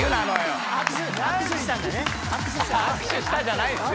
「握手した」じゃないんすよ。